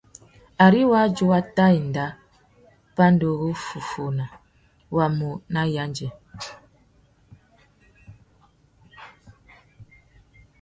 Ari wādjú wa tà enda pandúruffúffuna, wá mú nà yêndzê.